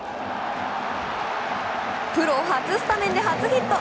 プロ初スタメンで初ヒット。